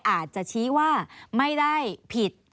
อาจจะชี้ว่าไม่ได้ผิด